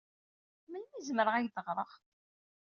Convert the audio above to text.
Melmi ay zemreɣ ad ak-d-ɣreɣ?